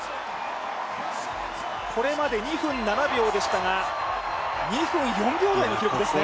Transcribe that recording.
これまで２分７秒でしたが２分４秒台の記録ですね。